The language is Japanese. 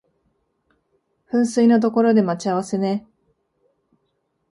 噴水の所で待ち合わせね